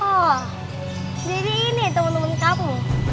oh jadi ini temen temen kamu